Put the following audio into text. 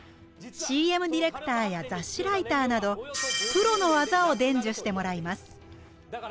ＣＭディレクターや雑誌ライターなどプロの技を伝授してもらいます。